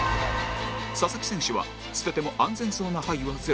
佐々木選手は捨てても安全そうな牌はゼロ